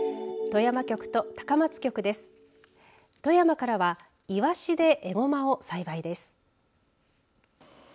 富山からはいわしで、えごまを栽培です。